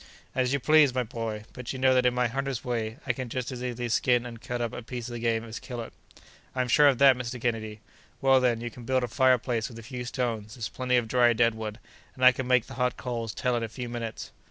"As you please, my boy! But you know that in my hunter's way I can just as easily skin and cut up a piece of game as kill it." "I'm sure of that, Mr. Kennedy. Well, then, you can build a fireplace with a few stones; there's plenty of dry dead wood, and I can make the hot coals tell in a few minutes."